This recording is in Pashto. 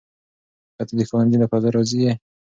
آیا ته د ښوونځي له فضا راضي یې؟